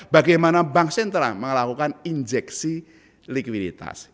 bagaimana bank sentral melakukan injeksi likuiditas